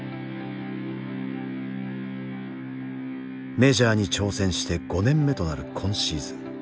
メジャーに挑戦して５年目となる今シーズン。